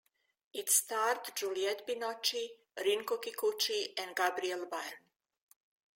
It starred Juliette Binoche, Rinko Kikuchi and Gabriel Byrne.